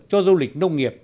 cho du lịch nông nghiệp